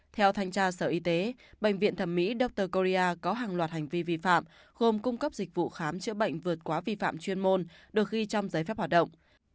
theo thanh tra sở y tế bệnh viện thẩm mỹ doctoria có hàng loạt hành vi vi phạm gồm cung cấp dịch vụ khám chữa bệnh vượt quá vi phạm chuyên môn được ghi trong giấy phép hoạt động